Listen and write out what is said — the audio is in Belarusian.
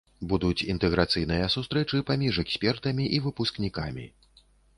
Будуць інтэграцыйныя сустрэчы паміж экспертамі і выпускнікамі.